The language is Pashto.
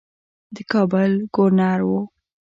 د کابل ګورنر وو.